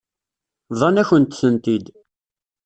Bḍan-akent-tent-id.